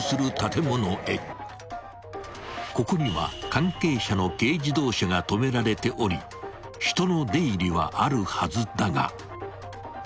［ここには関係者の軽自動車が止められており人の出入りはあるはずだが］